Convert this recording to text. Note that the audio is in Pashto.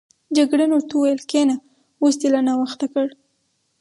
جګړن ورته وویل کېنه، اوس دې لا ناوخته کړ.